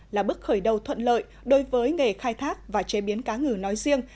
là bước khởi đầu thuận lợi đối với nghề khai thác và chế biến cá ngừ nói riêng